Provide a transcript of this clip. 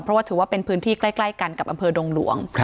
เพราะว่าถือว่าเป็นพื้นที่ใกล้กันกับอำเภอดงหลวง